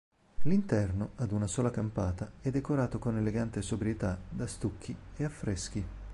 L'interno, ad una sola campata, è decorato con elegante sobrietà da stucchi e affreschi.